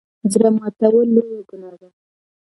زړه ماتول لويه ګناه ده.